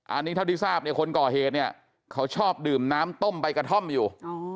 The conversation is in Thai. อันนี้เท่าที่ทราบคนกเหนี่ยความชอบดื่มน้ำต้มใบกระท่อมอยู่